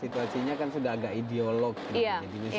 jadi menurut saya ini masa sudah agak ideologi ya